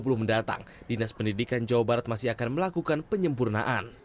yang akan datang dinas pendidikan jawa barat masih akan melakukan penyempurnaan